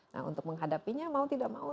nah untuk menghadapinya mau tidak mau